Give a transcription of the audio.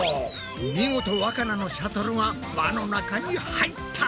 見事わかなのシャトルが輪の中に入った！